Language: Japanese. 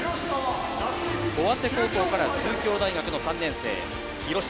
尾鷲高校から中京大学の３年生、廣下。